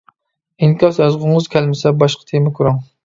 ئىنكاس يازغۇڭىز كەلمىسە باشقا تېما كۆرۈڭ.